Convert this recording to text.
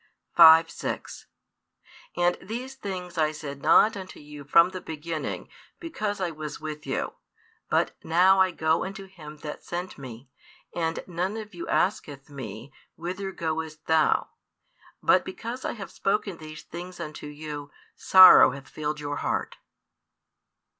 5, 6 And these things I said not unto you from the beginning, because I was with you. But now I go unto Him that sent Me; and none of you asketh Me, Whither goest thou? But because I have spoken these things unto you, sorrow hath filled your heart.